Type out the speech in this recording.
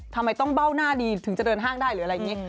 ทำไมต้องเบ้าหน้าดีถึงจะเดินห้างได้หรืออะไรอย่างนี้